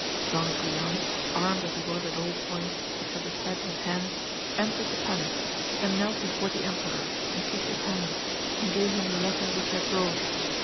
Don Guilan armed as he was at all points, except his head and hands, entered the palace, and knelt before the emperor and kissed his hand, and gave him the letter which he had brought.